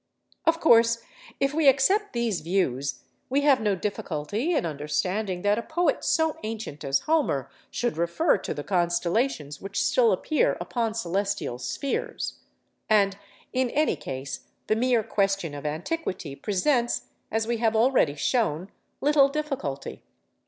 Of course, if we accept these views, we have no difficulty in understanding that a poet so ancient as Homer should refer to the constellations which still appear upon celestial spheres. And, in any case, the mere question of antiquity presents, as we have already shown, little difficulty.